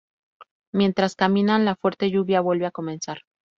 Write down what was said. Mientras caminan, la fuerte lluvia vuelve a comenzar.